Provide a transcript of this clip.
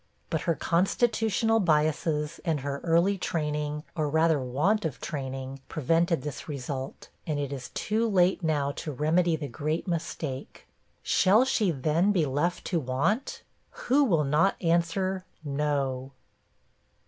But her constitutional biases, and her early training, or rather want of training, prevented this result; and it is too late now to remedy the great mistake. Shall she then be left to want? Who will not answer. 'No!'